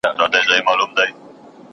ستونزي باید پټې نه سي.